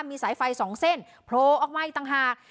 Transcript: มีสายไฟสองเส้นโผล่ออกมาอีกต่างหาก